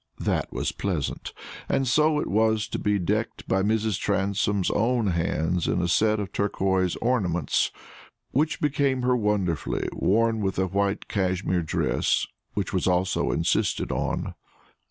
That was pleasant; and so it was to be decked by Mrs. Transome's own hands in a set of turquoise ornaments, which became her wonderfully, worn with a white Cashmere dress, which was also insisted on.